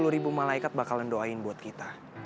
tujuh puluh ribu malaikat bakalan doain buat kita